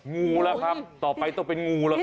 งูล่ะครับต่อไปจะเป็นงูล่ะครับ